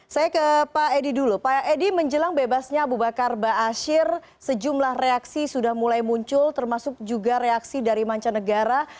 saya ke pak edy dulu pak edy menjelang bebasnya abu bakar ba'asyir sejumlah reaksi sudah mulai muncul termasuk juga reaksi dari mancanegara